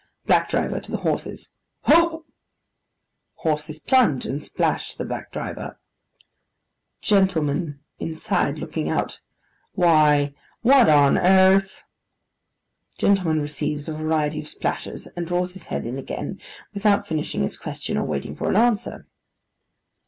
BLACK DRIVER (to the horses). 'Ho!' Horses plunge, and splash the black driver. GENTLEMAN INSIDE (looking out). 'Why, what on airth—' Gentleman receives a variety of splashes and draws his head in again, without finishing his question or waiting for an answer.